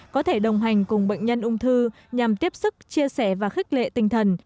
có thể đồng hành cùng bệnh nhân ung thư nhằm tiếp sức chia sẻ và khích lệ tinh thần